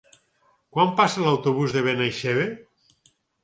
Quan passa l'autobús per Benaixeve?